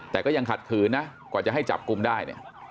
แต่ก็ยังขัดขืนนะกว่าจะให้จับกลุ่มได้เนี่ย